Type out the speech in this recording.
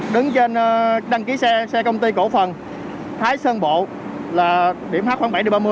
đứng trên đăng ký xe công ty cổ phần thái sơn bộ là điểm h khoảng bảy ba mươi